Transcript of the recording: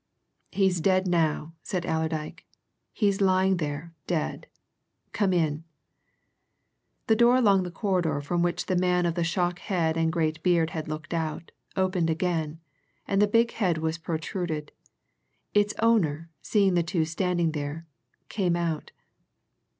"He's dead now," said Allerdyke. "He's lying there dead. Come in!" The door along the corridor from which the man of the shock head and great beard had looked out, opened again, and the big head was protruded. Its owner, seeing the two standing there, came out.